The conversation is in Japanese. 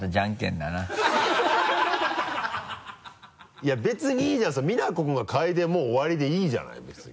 いや別にいいじゃんそれみなこ君が嗅いでもう終わりでいいじゃない別に。